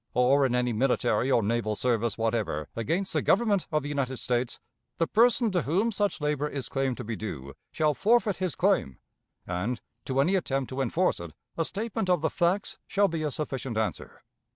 or in any military or naval service whatever against the Government of the United States, the person to whom such labor is claimed to be due shall forfeit his claim, and, to any attempt to enforce it, a statement of the facts shall be a sufficient answer.